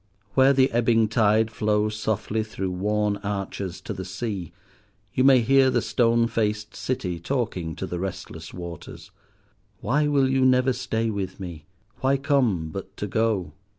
Where the ebbing tide flows softly through worn arches to the sea, you may hear the stone faced City talking to the restless waters: "Why will you never stay with me? Why come but to go?"